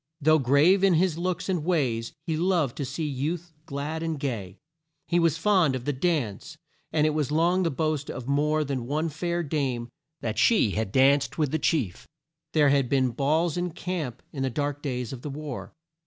Though grave in his looks and ways, he loved to see youth glad and gay. He was fond of the dance, and it was long the boast of more than one fair dame that she had danced with the chief. There had been balls in camp in the dark days of the war.